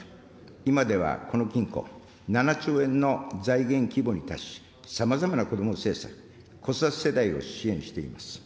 今ではこの金庫、７兆円の財源規模に達し、さまざまなこども政策、子育て世代を支援しています。